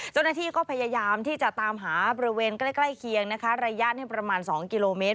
เจ้าหน้าที่ก็พยายามที่จะตามหาบริเวณใกล้เคียงนะคะระยะนี้ประมาณ๒กิโลเมตร